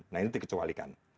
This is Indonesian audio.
nah itu dikecualikan